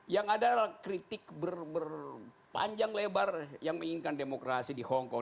yang ada adalah kritik berpanjang lebar yang menginginkan demokrasi di hongkong